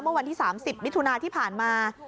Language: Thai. เมื่อวันที่๓๐มิถุนาที่ผ่านมา